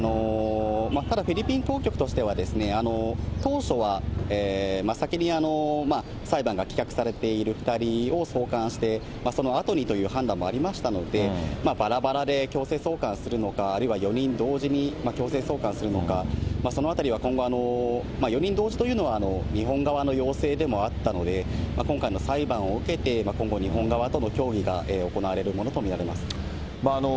ただフィリピン当局としては、当初は、先に裁判が棄却されている２人を送還して、そのあとにという判断もありましたので、ばらばらで強制送還するのか、あるいは４人同時に強制送還するのか、そのあたりは今後、４人同時というのは、日本側の要請でもあったので、今回の裁判を受けて、今後、日本側との協議が行われるものと見られます。